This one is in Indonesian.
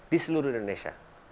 di seluruh indonesia